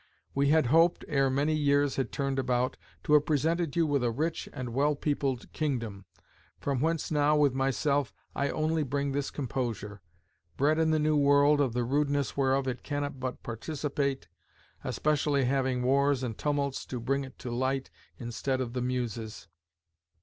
We had hoped, ere many years had turned about, to have presented you with a rich and wel peopled Kingdom; from whence now, with my selfe, I onely bring this Composure, ... bred in the New World, of the rudeness whereof it cannot but participate; especially having Warres and Tumults to bring it to light in stead of the Muses....